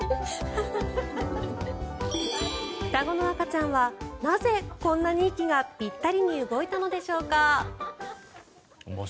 双子の赤ちゃんはなぜこんなに、息がピッタリに動いたのでしょうか。